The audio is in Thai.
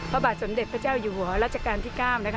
พระบอสสนเด็จพระเจ้าหญุงหัวแลทฯการที่๙